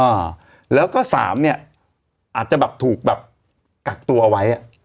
อ่าแล้วก็สามเนี้ยอาจจะแบบถูกแบบกักตัวไว้อ่ะ